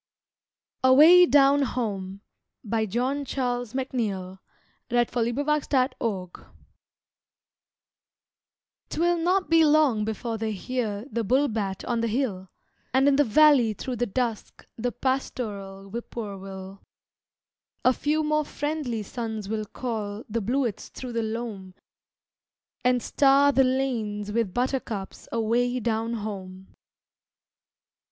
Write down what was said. c of marriage bells And, oh, to be dead in May! Away Down Home 'T will not be long before they hear The bullbat on the hill, And in the valley through the dusk The pastoral whippoorwill. A few more friendly suns will call The bluets through the loam And star the lanes with buttercups Away down home.